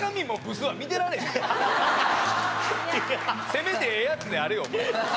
せめてええヤツであれよ。